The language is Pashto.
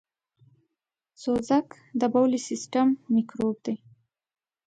سوزک دبولي سیستم میکروب دی .